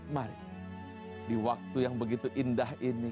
mari di waktu yang begitu indah ini